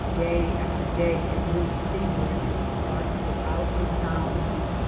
Day after day it moves sea ward, but without a sound.